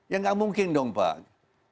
ya nggak mungkin dong pak